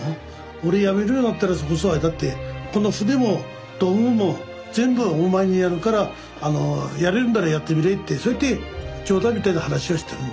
俺辞めるようなったらそれこそあれだってこの船も道具も全部お前にやるからやれるんだらやってみれってそうやって冗談みたいな話はしてるの。